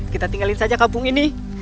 kita tinggalin saja kampung ini